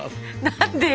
何でよ。